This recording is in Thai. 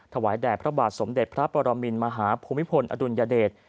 ถวายแด่พระบาทสมเด็จพระปรมินมหาภูมิพลอดุลยเดช